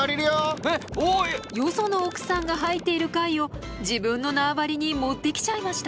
よその奥さんが入っている貝を自分の縄張りに持ってきちゃいました！